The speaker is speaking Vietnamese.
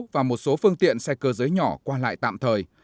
và một số phương tiện xe cơ giới nhỏ qua lại tạm thời